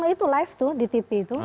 itu live tuh di tv itu